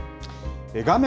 画面